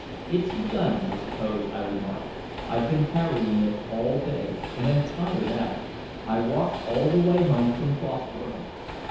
"It's the gun, I suppose," I remarked. "I've been carrying it all day, and am tired out. I walked all the way home from Crossburn."